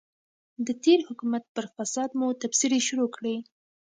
د تېر حکومت پر فساد مو تبصرې شروع کړې.